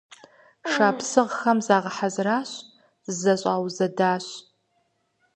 Шапсыгъхэм загъэхьэзыращ, зызэщӀаузэдащ.